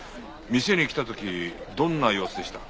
店に来た時どんな様子でした？